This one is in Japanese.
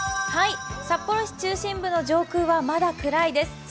札幌市中心部の上空はまだ暗いです。